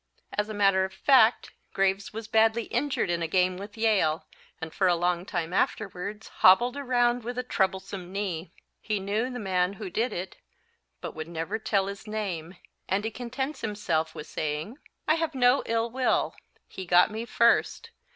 As a matter of fact, Graves was badly injured in a game with Yale, and for a long time afterwards hobbled around with a troublesome knee. He knew the man who did it, but would never tell his name, and he contents himself with saying "I have no ill will he got me first.